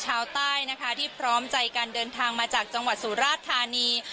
ชาวใต้นะคะที่พร้อมใจการเดินทางมาจากจังหวัดสุราชธานี